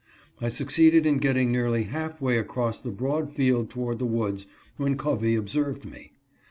I succeeded in getting nearly half way across the broad field toward the woods, when Covey observed me.